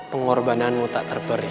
pengorbananmu tak terperih